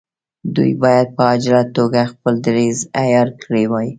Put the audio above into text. دوی باید په عاجله توګه خپل دریځ عیار کړی وای.